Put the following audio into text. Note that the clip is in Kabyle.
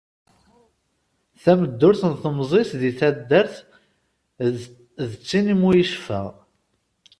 Tameddurt n temẓi-s di taddart d ttin mu yecfa.